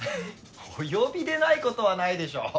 お呼びでないことはないでしょう。